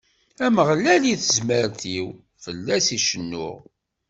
D Ameɣlal i d tazmert-iw, fell-as i cennuɣ.